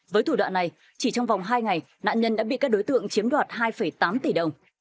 với thủ đoạn này chỉ trong vòng hai ngày nạn nhân đã bị các đối tượng chiếm đoạt hai tám tỷ đồng